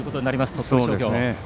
鳥取商業。